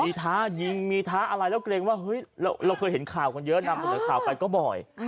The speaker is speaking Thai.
มีท้ายิงมีท้าอะไรแล้วเกรงว่าเฮ้ยเราเคยเห็นข่าวกันเยอะนำเสนอข่าวไปก็บ่อย